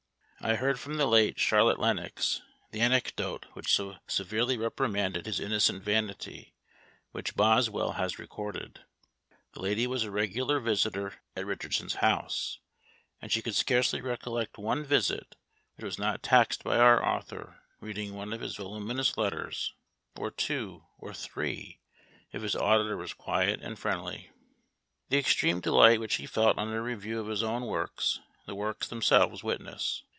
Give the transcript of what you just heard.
I heard from the late Charlotte Lenox the anecdote which so severely reprimanded his innocent vanity, which Boswell has recorded. This lady was a regular visitor at Richardson's house, and she could scarcely recollect one visit which was not taxed by our author reading one of his voluminous letters, or two or three, if his auditor was quiet and friendly. The extreme delight which he felt on a review of his own works the works themselves witness.